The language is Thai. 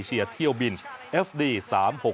ก็อย่าลืมให้กำลังใจเมย์ในรายการต่อไปนะคะ